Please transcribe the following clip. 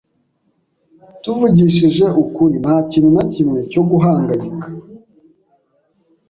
Tuvugishije ukuri, ntakintu nakimwe cyo guhangayika.